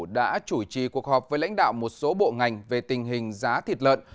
đã chủ trì cuộc họp với lãnh đạo một số bộ ngành về tình hình giá thịt lợn